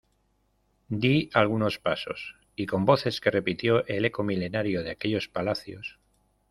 di algunos pasos, y con voces que repitió el eco milenario de aquellos palacios